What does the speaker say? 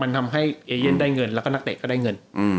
มันทำให้ได้เงินแล้วก็นักเตะก็ได้เงินอืม